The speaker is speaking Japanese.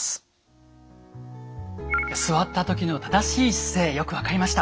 座った時の正しい姿勢よく分かりました。